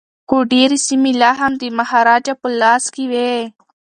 خو ډیري سیمي لا هم د مهاراجا په لاس کي وې.